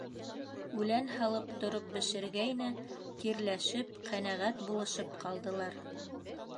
Үлән һалып тороп бешергәйне, тирләшеп, ҡәнәғәт булышып ҡалдылар.